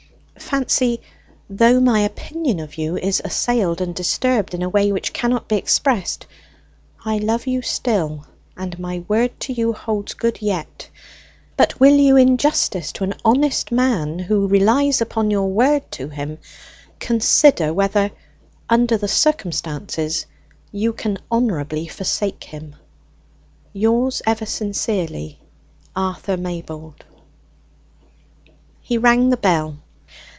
Fancy, though my opinion of you is assailed and disturbed in a way which cannot be expressed, I love you still, and my word to you holds good yet. But will you, in justice to an honest man who relies upon your word to him, consider whether, under the circumstances, you can honourably forsake him? Yours ever sincerely, "ARTHUR MAYBOLD." He rang the bell.